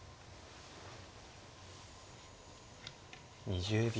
２０秒。